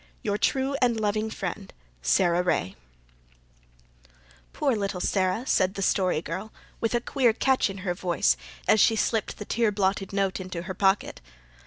"Your true and loving friend, "SARA RAY" "Poor little Sara," said the Story Girl, with a queer catch in her voice, as she slipped the tear blotted note into her pocket.